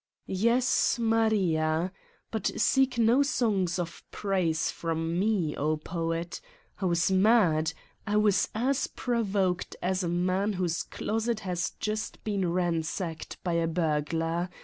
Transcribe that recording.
Yes, Maria! But seek no songs of praise from me, oh poet ! I was mad ! I was as provoked as a man whose closet has just been ransacked by a burglar.